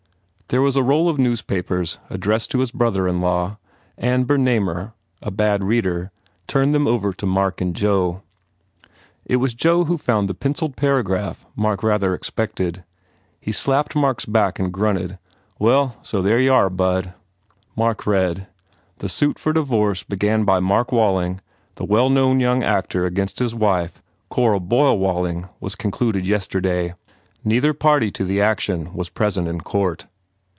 There was a roll of newspapers addressed to his brother in law and Bernamer, a bad reader, turned them over to Mark and Joe. It was Joe who found the pencilled paragraph Mark rather expected. He slapped Mark s back and grunted, "Well, so there y are, Bud." Mark read, The suit for divorce begun by Mark Walling, the well known young actor against his wife, Cora Boyle Walling, was con cluded yesterday. Neither party to the action was present in court.